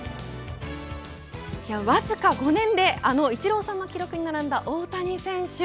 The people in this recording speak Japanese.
わずか５年であのイチローさんの記録に並んだ大谷選手